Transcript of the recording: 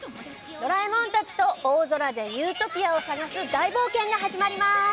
ドラえもんたちと大空でユートピアを探す大冒険が始まります！